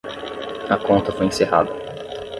A conta foi encerrada.